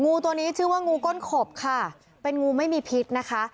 งูตัวนี้ชื่อว่างูก้นขบค่ะเป็นงูไม่มีพิษนะคะ